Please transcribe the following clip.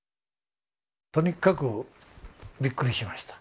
とにかくびっくりしました。